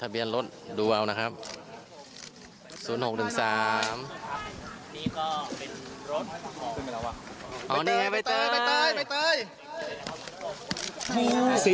โปรดติดตามตอนต่อไป